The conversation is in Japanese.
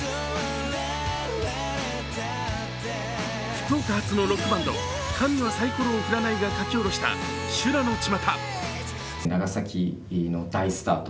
福岡発のロックバンド、神はサイコロを振らないが書き下ろした「修羅の巷」